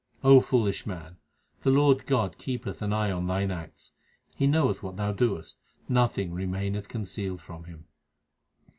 O foolish man, the Lord God keepeth an eye on thine acts. He knoweth what thou doest ; nothing remaineth con cealed from Him.